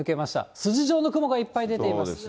筋状の雲がいっぱい出ています。